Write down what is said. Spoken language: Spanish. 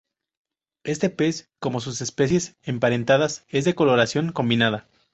Este pez, como sus especies emparentadas, es de coloración combinada.